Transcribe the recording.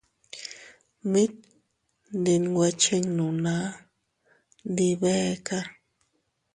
Mit ndinwe chinnu naa, ndi beeka.